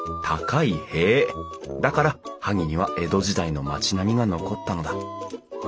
だから萩には江戸時代の町並みが残ったのだ。